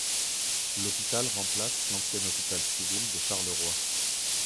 L'hôpital remplace l'ancien hôpital civil de Charleroi.